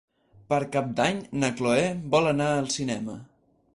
Per Cap d'Any na Cloè vol anar al cinema.